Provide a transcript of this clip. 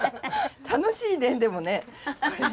楽しいねでもねこれ。